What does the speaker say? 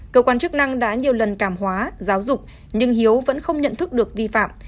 cơ quan chức năng đã nhiều lần cảm hóa giáo dục nhưng hiếu vẫn không nhận thức được vi phạm